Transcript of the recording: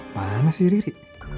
mana sih riri